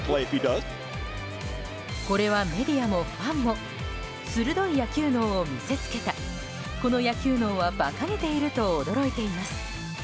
これはメディアもファンも鋭い野球脳を見せつけたこの野球脳は、ばかげていると驚いています。